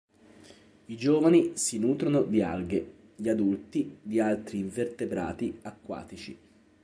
I giovani si nutrono di alghe, gli adulti di altri invertebrati acquatici.